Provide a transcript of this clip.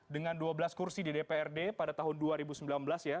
dengan dua belas kursi di dprd pada tahun dua ribu sembilan belas ya